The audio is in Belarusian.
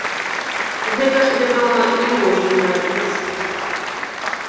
Гэта, вядома, не можа не радаваць.